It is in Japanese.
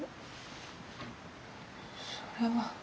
それは。